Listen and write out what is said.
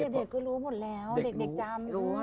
เด็กก็รู้หมดแล้วเด็กจำ